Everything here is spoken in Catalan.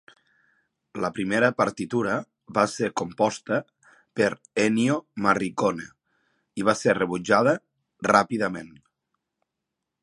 La primera partitura va ser composta per Ennio Morricone i va ser rebutjada ràpidament.